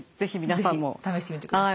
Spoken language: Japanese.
是非試してみてください。